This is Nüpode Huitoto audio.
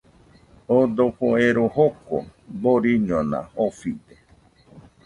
Oo dofo ero joko boriñona ofide.